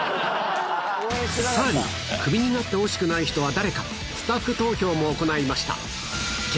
さらに、クビになってほしくない人は誰か、スタッフ投票も行いました。